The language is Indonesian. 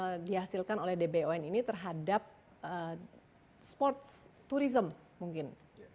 apa yang dihasilkan oleh dbon ini terhadap sports tourism mungkin